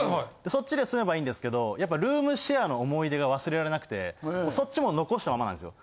そっちで住めばいいんですけどやっぱルームシェアの思い出が忘れられなくてそっちも残したままなんですよ。